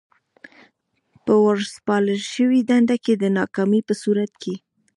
په ورسپارل شوې دنده کې د ناکامۍ په صورت کې.